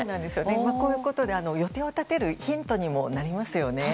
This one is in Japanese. こういうことで予定を立てるヒントにもなりますよね。